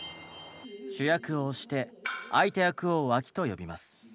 主役をシテ相手役をワキと呼びます。